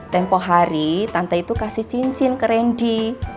tempoh hari tante itu kasih cincin ke rendy